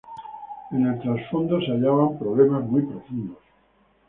En el trasfondo se hallaban problemas muy profundos.